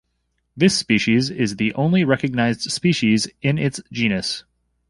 This species is the only recognized species in its genus.